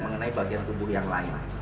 mengenai bagian tubuh yang lain